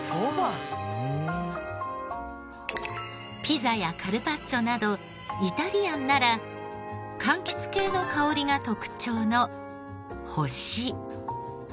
ピザやカルパッチョなどイタリアンなら柑橘系の香りが特徴の星。